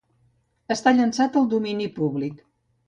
Està llançat al domini públic.